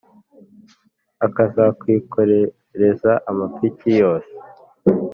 Akazakwikorereza amapiki yose